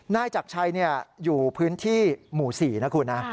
นายจักรชัยอยู่พื้นที่หมู่๔นะคุณนะ